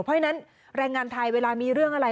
เพราะฉะนั้นแรงงานไทยเวลามีเรื่องอะไร